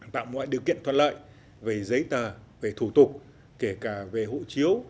tạo một loại điều kiện toàn lợi về giấy tờ về thủ tục kể cả về hộ chiếu